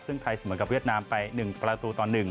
ซึ่งไทยเสมอกับเวียดนามไป๑ประตูต่อ๑